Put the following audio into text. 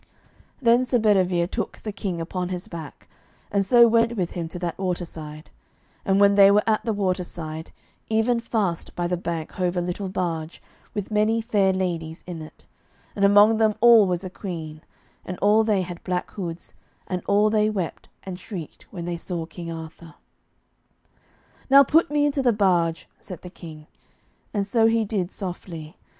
Then Sir Bedivere took the King upon his back, and so went with him to that waterside. And when they were at the waterside, even fast by the bank hove a little barge, with many fair ladies in it, and among them all was a queen, and all they had black hoods, and all they wept and shrieked when they saw King Arthur. [Illustration: The Passing of Arthur] "Now put me into the barge," said the King; and so he did softly.